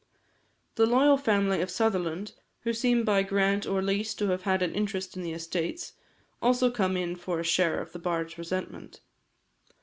The loyal family of Sutherland, who seem by grant or lease to have had an interest in the estates, also come in for a share of the bard's resentment.